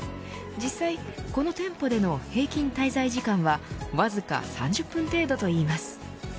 実際、この店舗での平均滞在時間はわずか３０分程度といいます。